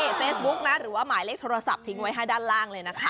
เฟซบุ๊กนะหรือว่าหมายเลขโทรศัพท์ทิ้งไว้ให้ด้านล่างเลยนะคะ